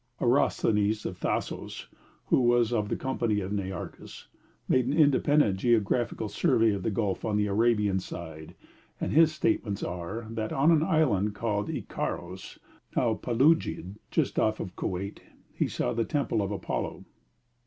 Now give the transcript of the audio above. Androsthenes of Thasos, who was of the company of Nearchus, made an independent geographical survey of the Gulf on the Arabian side, and his statements are, that on an island called Ikaros, now Peludji, just off Koweit, he saw a temple of Apollo.